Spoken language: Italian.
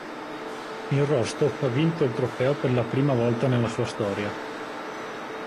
Il Rostov ha vinto il trofeo per la prima volta nella sua storia.